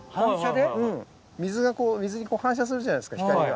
水に反射するじゃないですか光が。